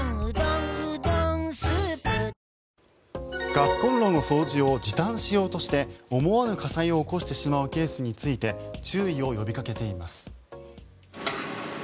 ガスコンロの掃除を時短しようとして思わぬ火災を起こしてしまうケースについて注意を呼びかけています。